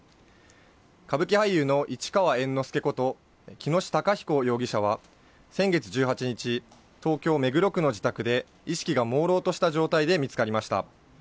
歌舞伎俳優の市川猿之助こと喜熨斗孝彦容疑者は、先月１８日、東京・目黒区の自宅で、意識がもうろうとした状態で見つかりました。